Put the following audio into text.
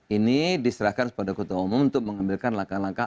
ini diserahkan kepada ketua umum untuk mengambilkan langkah langkah